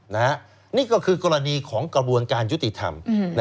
นี่ก็คือกรณีของกระบวนการยุติธรรม